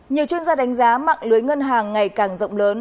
nhiều chuyên gia đánh giá mạng lưới ngân hàng ngày càng rộng lớn